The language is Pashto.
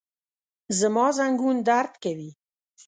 زما زنګون درد کوي